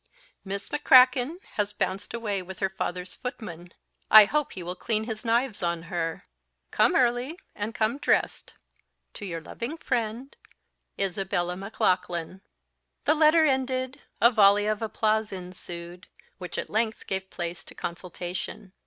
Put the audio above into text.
Miss M'Kraken has bounced away with her father's footman I hope he will clean his knives on her. Come early, and come dressed, to your loving friend, "ISABELLA MACLAUGHLAN." The letter ended, a volley of applause ensued, which at length gave place to consultation.